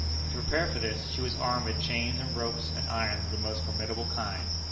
To prepare for this, she was armed with chains and ropes and irons of the most formidable kind.